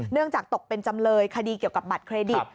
จากตกเป็นจำเลยคดีเกี่ยวกับบัตรเครดิต